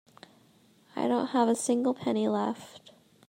I don't have a single penny left.